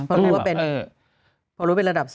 เพราะรู้ว่าเป็นพอรู้เป็นระดับ๒